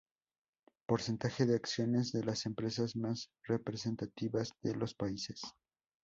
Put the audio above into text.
Porcentaje de acciones de las empresas más representativas de los países.